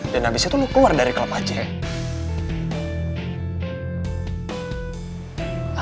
dan abis itu lo keluar dari klub aja ya